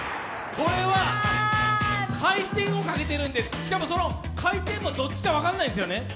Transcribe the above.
これは回転をかけてるんで、しかもその回転もどっちか分からないんですよね。